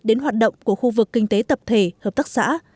đến hoạt động của khu vực kinh tế tập thể hợp tác xã